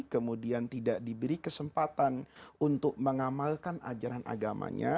kemudian tidak diberi kesempatan untuk mengamalkan ajaran agamanya